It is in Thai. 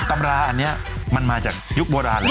ตำราอันนี้มันมาจากยุคโบราณแล้ว